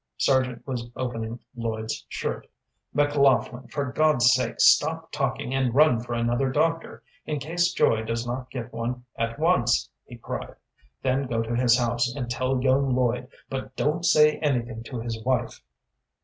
Sargent was opening Lloyd's shirt. "McLaughlin, for God's sake stop talking and run for another doctor, in case Joy does not get one at once," he cried; "then go to his house, and tell young Lloyd, but don't say anything to his wife."